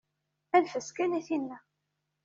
Anef-as kan i tinna.